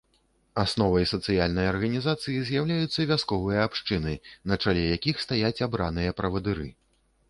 Асновай сацыяльнай арганізацыі з'яўляюцца вясковыя абшчыны, на чале якіх стаяць абраныя правадыры.